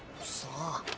さあ？